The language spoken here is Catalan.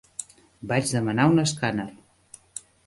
Vaig demanar un escàner.